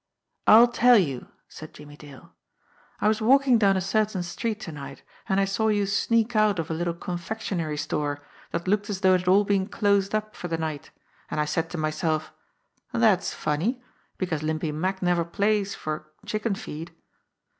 "I'll tell you,'' said Jimmie Dale. "I was walking down a certain street to night, and I saw you sneak out of a little confectionery store that looked as though it had all been closed up for the night, and I said to myself: That's funny, because Limpy Mack never plays for chicken feed.'